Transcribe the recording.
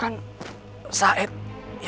ya ini dia